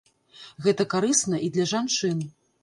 Гэта карысна і для жанчын.